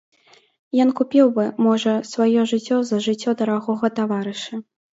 Ён купіў бы, можа, сваё жыццё за жыццё дарагога таварыша.